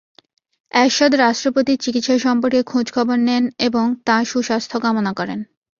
এরশাদ রাষ্ট্রপতির চিকিৎসা সম্পর্কে খোঁজখবর নেন এবং তাঁর সুস্বাস্থ্য কামনা করেন।